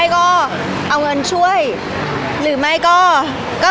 พี่ตอบได้แค่นี้จริงค่ะ